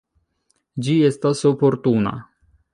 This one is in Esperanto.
Ĝi estas oportuna.